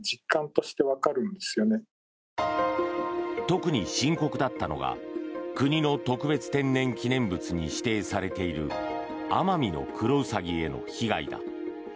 特に深刻だったのが国の特別天然記念物に指定されているアマミノクロウサギへの被害だ。